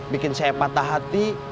bikin saya patah hati